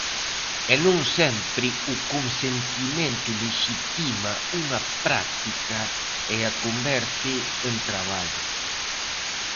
E non sempre o consentimento lexitima unha práctica e a converte en traballo.